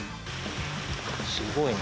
すごいな。